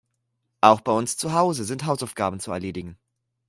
Auch bei uns zu Hause sind Hausaufgaben zu erledigen.